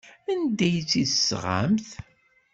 Anda ay tt-id-tesɣamt?